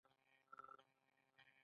د هڅو او فردي استعداد رول باید مهم وي.